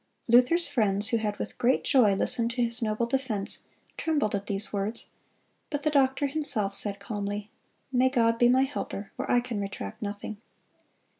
Luther's friends, who had with great joy listened to his noble defense, trembled at these words; but the doctor himself said calmly, "May God be my helper, for I can retract nothing."